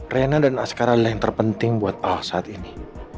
ren dan azkara adalah yang terpenting buat al saat ini